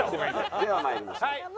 では参りましょう。